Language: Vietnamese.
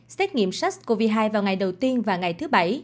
xét nghiệm sars cov hai vào ngày đầu tiên và ngày thứ bảy